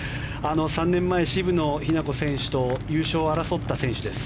３年前、渋野日向子選手と優勝を争った選手です。